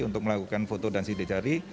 untuk melakukan foto dan sidik jari